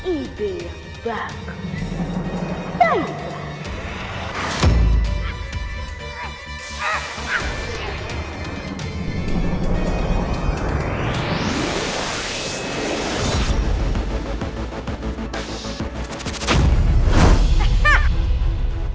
ide yang bagus